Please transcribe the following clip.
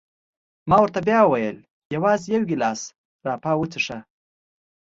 ما ورته بیا وویل: یوازي یو ګیلاس ګراپا وڅېښه.